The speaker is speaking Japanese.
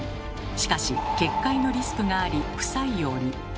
しかし決壊のリスクがあり不採用に。